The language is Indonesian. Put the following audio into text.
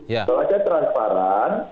kalau ada transparan